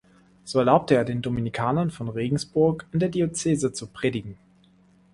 So erlaubte er den Dominikanern von Regensburg in der Diözese zu predigen.